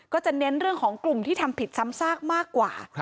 จะเน้นเรื่องของกลุ่มที่ทำผิดซ้ำซากมากกว่า